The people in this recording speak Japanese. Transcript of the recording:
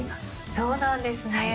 そうなんですね。